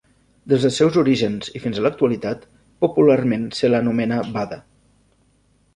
Des dels seus orígens i fins a l'actualitat, popularment se l'anomena Bada.